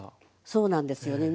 そうなんですよね。